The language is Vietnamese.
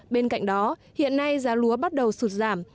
bên cạnh đó hiện nay giá lúa bắt đầu sụt giảm